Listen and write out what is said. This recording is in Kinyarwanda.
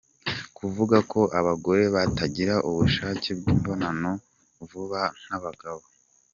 Kuvuga ko abagore batagira ubushake bw’imibonano vuba nk’abagabo .